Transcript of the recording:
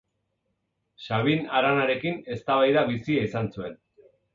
Sabin Aranarekin eztabaida bizia izan zuen.